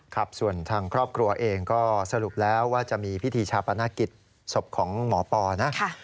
ครับส่วนทางครอบครัวเองก็สรุปแล้วว่าจะมีพิธีชาปนกิจศพของหมอปอนะ